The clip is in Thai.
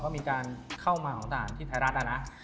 ก็มีการเข้ามาของทหารที่ไทยรัฐนะนะ